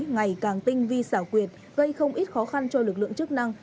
ngày càng tinh vi xảo quyệt gây không ít khó khăn cho lực lượng chức năng